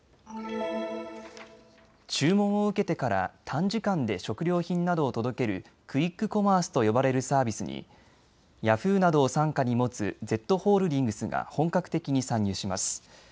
注文を受けてから短時間で食料品などを届けるクイックコマースと呼ばれるサービスにヤフーなどを傘下に持つＺホールディングスが本格的に参入します。